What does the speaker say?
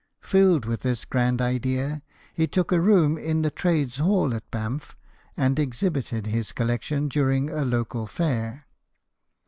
Filled with this grand idea, he took a room in the Trades Hall at Banff, and exhibited his collection during a local fair.